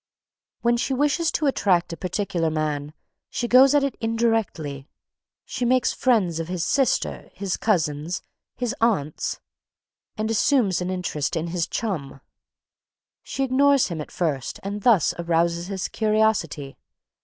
When she wishes to attract a particular man, she goes at it indirectly. She makes friends of "his sisters, his cousins, and his aunts," and assumes an interest in his chum. She ignores him at first and thus arouses his curiosity.